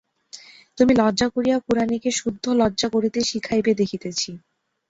তুমি লজ্জা করিয়া কুড়ানিকে সুদ্ধ লজ্জা করিতে শিখাইবে দেখিতেছি।